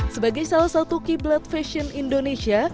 sebagai salah satu kiblat fashion indonesia